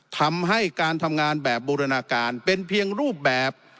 ทำให้การทำงานแบบบูรณาการเป็นเพียงรูปแบบ